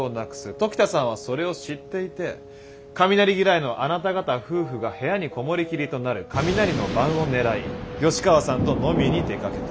時田さんはそれを知っていて雷嫌いのあなた方夫婦が部屋に籠もりきりとなる雷の晩をねらい吉川さんと飲みに出かけた。